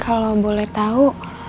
kalau boleh tahu